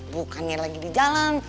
bukannya lagi di jalan